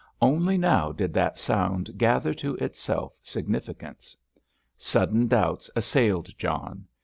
Only now did that sound gather to itself significance. Sudden doubts assailed John.